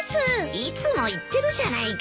いつも行ってるじゃないか。